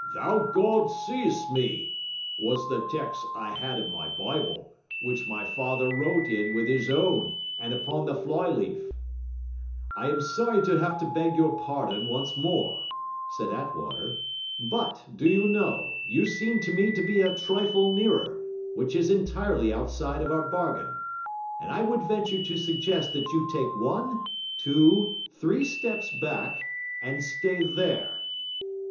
THOU GAWD SEEST ME, was the tex' I 'ad in my Bible, w'ich my father wrote it in with 'is own 'and upon the fly leaft.' 'I am sorry I have to beg your pardon once more,' said Attwater; 'but, do you know, you seem to me to be a trifle nearer, which is entirely outside of our bargain. And I would venture to suggest that you take one two three steps back; and stay there.'